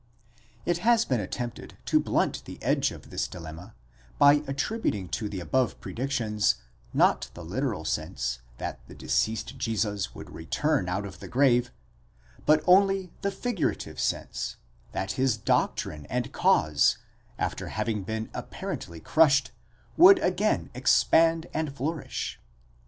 It has been attempted to blunt the edge of this dilemma, by attributing to the above predictions, not the literal sense, that the deceased Jesus would return out of the grave, but only the figurative sense that his doctrine and cause, after having been apparently crushed, would again expand and flourish.?